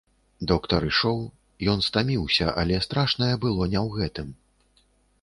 Доктар ішоў, ён стаміўся, але страшнае было не ў гэтым.